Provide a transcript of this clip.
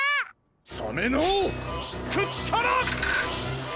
サメのくちから！